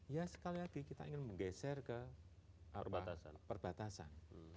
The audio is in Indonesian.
ya sekali lagi kita ingin menggeser ke perbatasan